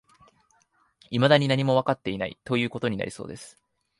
未だに何もわかっていない、という事になりそうです